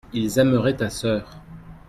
ils aimeraient ta sœur.